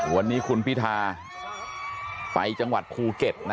วันนี้คุณพิธาไปจังหวัดภูเก็ตนะ